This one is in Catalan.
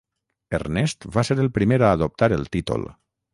Ernest va ser el primer a adoptar el títol.